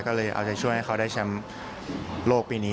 ก็เลยเอาใจช่วยให้เขาได้แชมป์โลกปีนี้